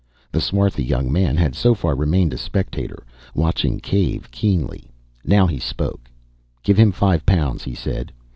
The swarthy young man had so far remained a spectator, watching Cave keenly. Now he spoke. "Give him five pounds," he said.